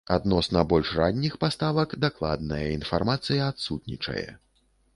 Адносна больш ранніх паставак дакладная інфармацыя адсутнічае.